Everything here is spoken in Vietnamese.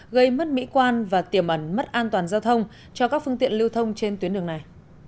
gây mất mỹ quan và tiềm ẩn mất an toàn giao thông cho các phương tiện lưu thông trên tuyến đường này